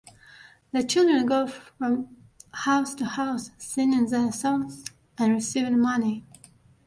The children go from house to house, singing their songs and receiving money.